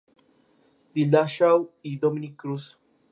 Dillashaw y Dominick Cruz.